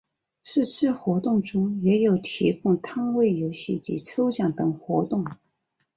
是次活动中也有提供摊位游戏及抽奖等活动。